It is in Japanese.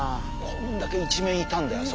こんだけ一面いたんだよ